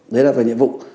đấy là về nhiệm vụ